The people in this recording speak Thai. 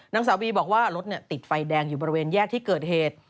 นางสาวบีบอกว่ารถติดไฟแดงอยู่บริเวณแยกที่เกิดเหตุ